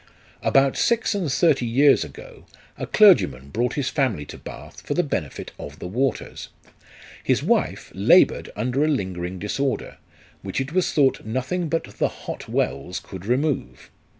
About six and thirty years ago, a clergyman brought his family to Bath for the benefit of the waters. His wife laboured under a lingering disorder, which it was thought nothing but the Hot wells could remove.